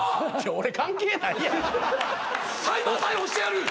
俺関係なくない？